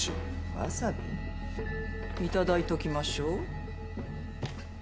わさび？頂いときましょう。